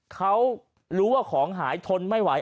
เขารู้ว่าของหายทนไม่ไหว